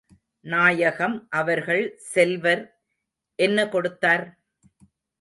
நாயகம் அவர்கள், செல்வர் என்ன கொடுத்தார்?